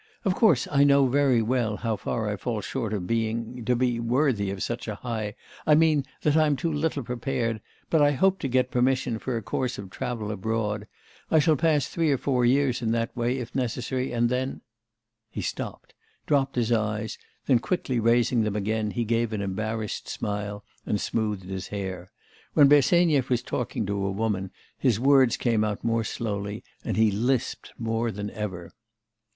Of course I know very well how far I fall short of being to be worthy of such a high I mean that I am too little prepared, but I hope to get permission for a course of travel abroad; I shall pass three or four years in that way, if necessary, and then ' He stopped, dropped his eyes, then quickly raising them again, he gave an embarrassed smile and smoothed his hair. When Bersenyev was talking to a woman, his words came out more slowly, and he lisped more than ever.